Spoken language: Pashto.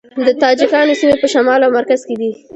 د تاجکانو سیمې په شمال او مرکز کې دي